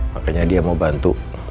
makanya dia mau bantu